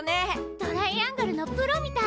トライアングルのプロみたい。